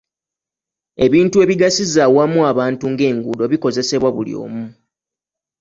Ebintu ebigasiza awamu abantu ng'enguudo bikozesebwa buli omu.